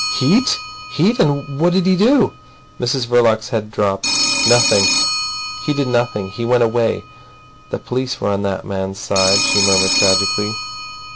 "Heat! Heat! And what did he do?" Mrs Verloc's head dropped. "Nothing. He did nothing. He went away. The police were on that man's side," she murmured tragically.